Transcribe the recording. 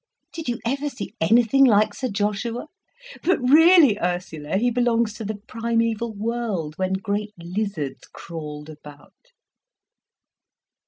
Did you ever see anything like Sir Joshua? But really, Ursula, he belongs to the primeval world, when great lizards crawled about."